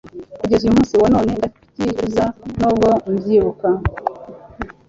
kugeza uyu munsi wa none ndabyicuza nubwo mbyibuka